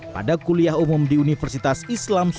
pada kuliah umum di universitas islam surabaya